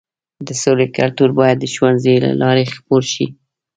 د سولې کلتور باید د ښوونځیو له لارې خپور شي.